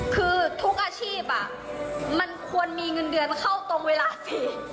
คือทุกอาชีพมันควรมีเงินเดือนเข้าตรงเวลาสิ